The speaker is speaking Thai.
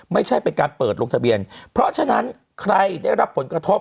ไม่ใช่เป็นการเปิดลงทะเบียนเพราะฉะนั้นใครได้รับผลกระทบ